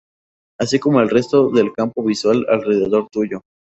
Así como el resto del campo visual alrededor tuyo.